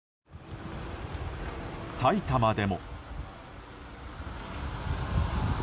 埼玉でも。